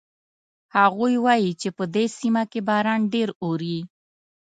هغوی وایي چې په دې سیمه کې باران ډېر اوري